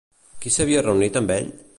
Qui s'havia reunit amb ell?